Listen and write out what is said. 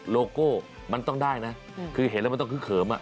โลโก้มันต้องได้นะคือเห็นแล้วมันต้องคึกเขิม